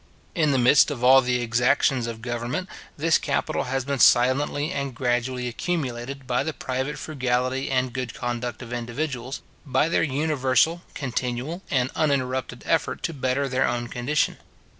In the midst of all the exactions of government, this capital has been silently and gradually accumulated by the private frugality and good conduct of individuals, by their universal, continual, and uninterrupted effort to better their own condition.